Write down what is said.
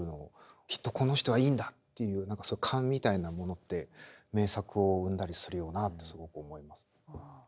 きっとこの人はいいんだっていう何か勘みたいなものって名作を生んだりするよなってすごく思います。